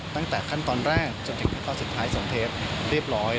ตั้งแต่ขั้นตอนแรกจนถึงขั้นตอนสุดท้าย๒เทปเรียบร้อย